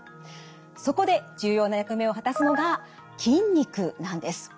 そこで重要な役目を果たすのが筋肉なんです。